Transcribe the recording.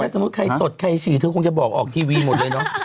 สมมุติใครตดใครฉี่เธอคงจะบอกออกทีวีหมดเลยเนอะ